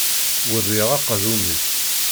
Werriɣ uqadum-is!